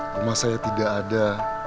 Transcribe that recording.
rumah saya tidak ada